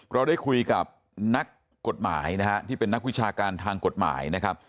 เราได้คุยกับนักกฎหมายนะฮะที่เป็นนักวิชาการทางกฎหมายนะครับ